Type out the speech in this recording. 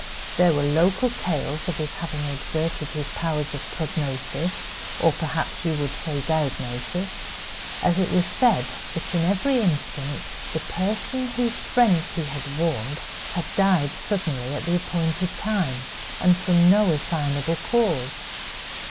There were local tales of his having exerted his powers of prognosis, or perhaps you would say diagnosis; and it was said that in every instance the person whose friends he had warned had died suddenly at the appointed time, and from no assignable cause.